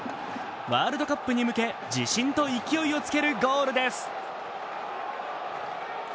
ワールドカップに向け自信と勢いをつけるゴールです。